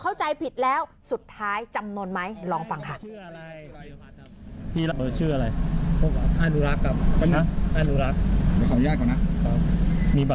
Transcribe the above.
เข้าใจผิดแล้วสุดท้ายจำนวนไหมลองฟังค่ะ